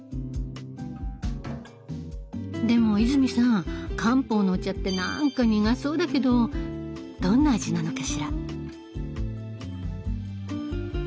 でも泉さん漢方のお茶ってなんか苦そうだけどどんな味なのかしら？